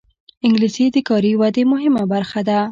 انګلیسي د کاري ودې مهمه برخه ده